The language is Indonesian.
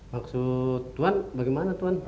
maksud tuhan bagaimana tuhan